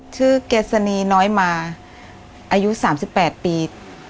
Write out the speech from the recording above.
ชื่อเกษณีย์น้อยมาอายุสามสิบแปดปี